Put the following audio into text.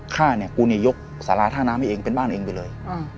ฆ่าเนี่ยกูเนี่ยยกสาราท่าน้ำให้เองเป็นบ้านเองไปเลย